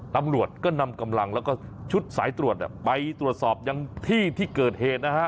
ตำรวจก็นำกำลังแล้วก็ชุดสายตรวจไปตรวจสอบยังที่ที่เกิดเหตุนะฮะ